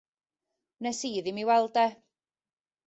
Wnes i ddim ei weld e.